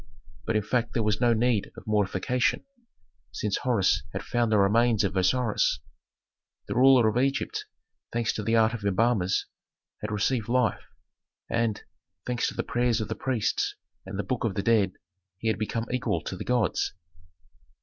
But in fact there was no need of mortification, since Horus had found the remains of Osiris. The ruler of Egypt, thanks to the art of embalmers, had received life, and, thanks to the prayers of the priests and the Book of the Dead, he had become equal to the gods.